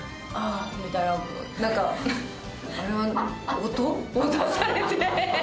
みたいな何かあれは音？音されて。